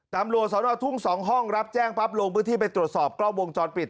ตำรวจสนทุ่ง๒ห้องรับแจ้งปั๊บลงพื้นที่ไปตรวจสอบกล้องวงจรปิด